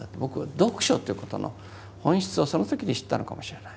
読書っていうことの本質をその時に知ったのかもしれない。